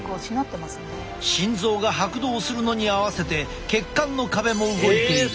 心臓が拍動するのに合わせて血管の壁も動いている。